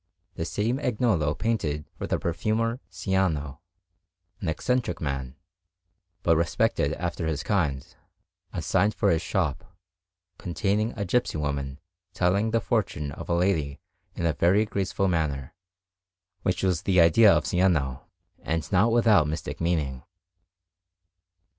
The same Agnolo painted for the perfumer Ciano, an eccentric man, but respected after his kind, a sign for his shop, containing a gipsy woman telling the fortune of a lady in a very graceful manner, which was the idea of Ciano, and not without mystic meaning.